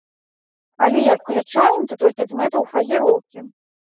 Калі і адключаем, то толькі з мэтаў фазіроўкі.